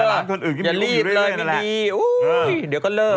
แต่หลังคนอื่นก็ไม่มีอุ้มอยู่เรื่อยเรื่อยนั่นแหละอย่าลีบเลยไม่มีอุ้ยเดี๋ยวก็เลิก